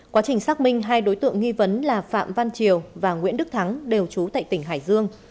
quá trình xác minh hai đối tượng nghi vấn là phạm văn triều và nguyễn đức thắng đều trú tại tỉnh hải dương